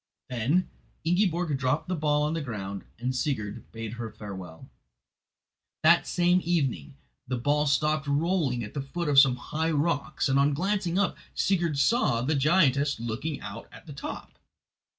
Then Ingiborg dropped the ball on the ground, and Sigurd bade her farewell. That same evening the ball stopped rolling at the foot of some high rocks, and on glancing up, Sigurd saw the giantess looking out at the top.